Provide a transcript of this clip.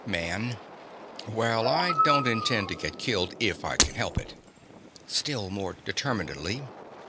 MAN. Well, I don't intend to get killed if I can help it. (_Still more determinedly.